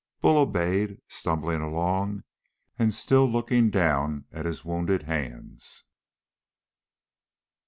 Bull obeyed, stumbling along and still looking down at his wounded hands.